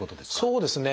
そうですね。